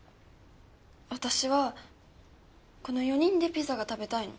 私はこの４人でピザが食べたいの。